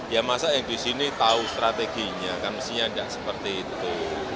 ya masa yang di sini tahu strateginya kan mestinya tidak seperti itu